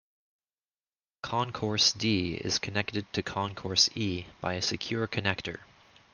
Concourse D is connected to concourse E by a secure connector.